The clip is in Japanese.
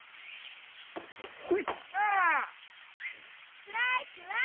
ストライクワン！